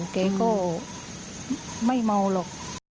แต่ก็ไม่เมาหรอก